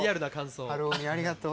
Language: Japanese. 晴臣ありがとう。